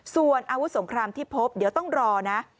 ส่วนอาวุธสงครามที่พบเดี๋ยวต้องรอนะ